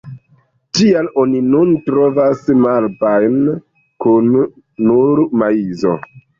Tial oni nun trovas "milpa"-jn kun nur maizo.